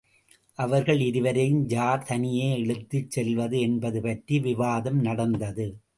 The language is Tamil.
அவர்கள் இருவரையும் யார் தனியே இழுத்துச் செல்வது என்பது பற்றி விவாதம் நடந்தது.